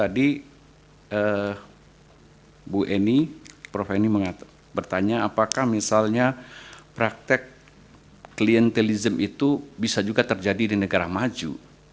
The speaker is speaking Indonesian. jadi bu eni prof eni bertanya apakah misalnya praktek klientelism itu bisa juga terjadi di negara maju